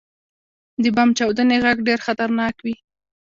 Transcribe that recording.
• د بم چاودنې ږغ ډېر خطرناک وي.